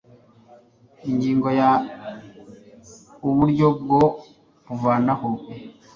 ingingo ya uburyo bwo kuvanaho